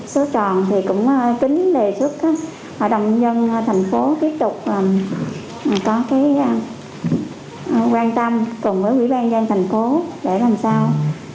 số tròn cũng kính đề xuất hội đồng dân thành phố tiếp tục quan tâm cùng với quỹ ban doanh thành phố để làm sao